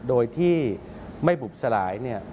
โดยที่ไม่บุบสลาย